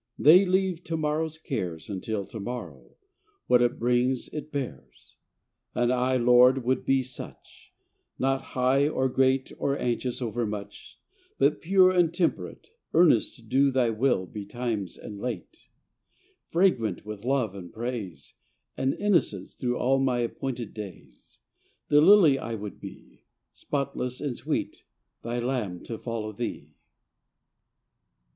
They leave to morrow's cares Until the morrow, what it brings it bears. And I, Lord, would be such; Not high, or great, or anxious overmuch, But pure and temperate, Earnest to do Thy Will betimes and late, Fragrant with love and praise And innocence through all my appointed days Thy lily I would be Spotless and sweet, Thy lamb to follow Thee.